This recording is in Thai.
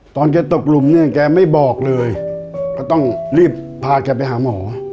ตอนแกตกหลุมเนี่ยแกไม่บอกเลยก็ต้องรีบพาแกไปหาหมอ